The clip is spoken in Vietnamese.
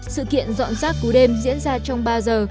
sự kiện dọn rác cú đêm diễn ra trong ba giờ